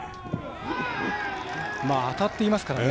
当たっていますからね。